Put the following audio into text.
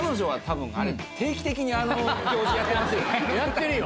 あのやってるよ。